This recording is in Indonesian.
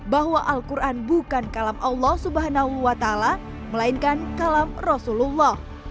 bahwa alquran bukan kalam allah subhanahu wa taala melainkan kalam rasulullah